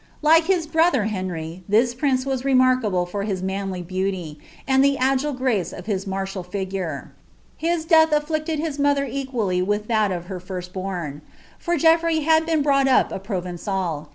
Like Ikia bruthw Henry, this prinee waa remarkable fcir hin nianly beauty, ui] the afile gnee of h)« martial figuie. Hi* death afllirted hi« mother cqiwlly w iih that of hrr firvl born ; for GcnlTrey had been brought up a I'rovenfil.